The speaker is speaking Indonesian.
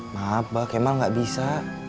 maaf bah kemal gak bisa